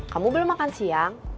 kamu belum makan siang